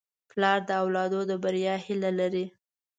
پلار د اولاد د بریا هیله لري.